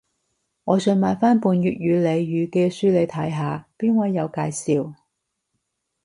我想買返本粵語俚語嘅書嚟睇下，邊位有介紹